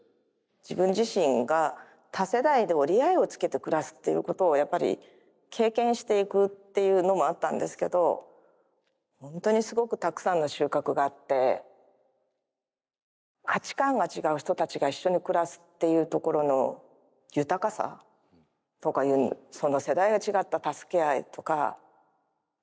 自分自身が多世代で折り合いをつけて暮らすっていうことをやっぱり経験していくっていうのもあったんですけど本当にすごくたくさんの収穫があって価値観が違う人たちが一緒に暮らすっていうところの豊かさとかいうその世代が違った助け合いとかすごく重要なことだと思うんです。